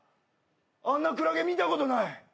あんなクラゲ見たことない。